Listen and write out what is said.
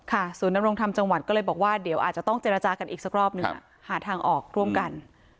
ศูนยำรงธรรมจังหวัดก็เลยบอกว่าเดี๋ยวอาจจะต้องเจรจากันอีกสักรอบหนึ่งหาทางออกร่วมกัน